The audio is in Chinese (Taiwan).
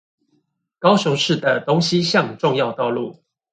高雄市的東西向重要道路